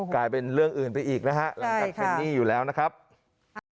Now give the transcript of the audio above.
กลายเป็นเรื่องอื่นไปอีกนะฮะหลังจากเป็นหนี้อยู่แล้วนะครับ